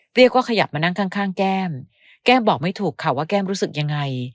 ก็ขยับมานั่งข้างข้างแก้มแก้มบอกไม่ถูกค่ะว่าแก้มรู้สึกยังไง